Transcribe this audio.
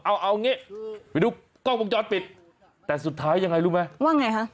เอาเอางี้ไปดูกล้องวงจรปิดแต่สุดท้ายยังไงรู้ไหมว่าไงฮะ